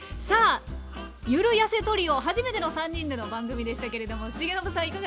さあゆるやせトリオ初めての３人での番組でしたけれども重信さん